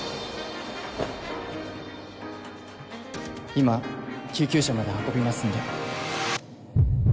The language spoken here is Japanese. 今救急車まで運びますんで。